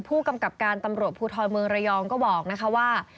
ผู้กำกับการตำรวจภูทรเมืองระยองก็บอกนะคะว่า